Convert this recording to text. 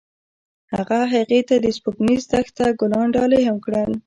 هغه هغې ته د سپوږمیز دښته ګلان ډالۍ هم کړل.